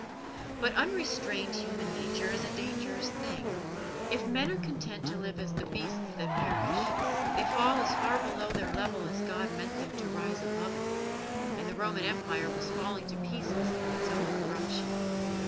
But unrestrained human nature is a dangerous thing. If men are content to live as the beasts that perish, they fall as far below their level as God meant them to rise above it, and the Roman Empire was falling to pieces through its own corruption.